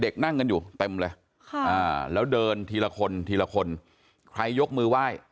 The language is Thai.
เด็กนั่งกันอยู่เต็มเลยค่ะอ่าแล้วเดินทีละคนคลยกมือไหว้